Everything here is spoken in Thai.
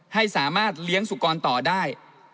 ให้สามารถเลี้ยงสุกรต่อได้